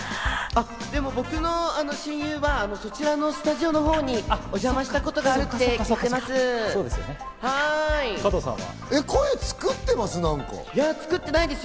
でも僕の親友は、そちらのスタジオのほうにお邪魔したことがあるって聞いてます。